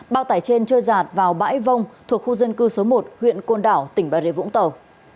bao tải trên trôi giạt vào bãi vông thuộc khu dân cư số một huyện côn đảo tỉnh bà rê vũng tàu